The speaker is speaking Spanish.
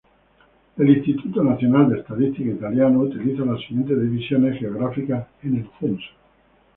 El Instituto Nacional de Estadística Italiano utiliza las siguientes divisiones geográficas en el censo.